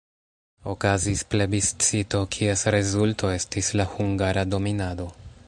Okazis plebiscito, kies rezulto estis la hungara dominado.